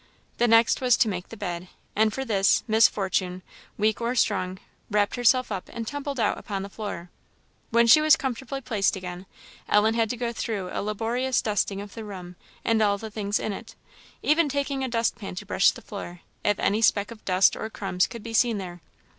The next was to make the bed; and for this Miss Fortune, weak or strong, wrapped herself up and tumbled out upon the floor. When she was comfortably placed again, Ellen had to go through a laborious dusting of the room and all the things in it, even taking a dustpan and brush to the floor, if any speck of dust or crumbs could be seen there.